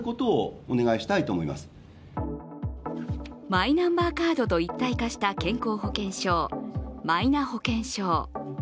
マイナンバーカードと一体化した健康保険証、マイナ保険証。